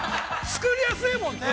◆作りやすいもんね。